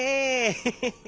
ヘヘヘ。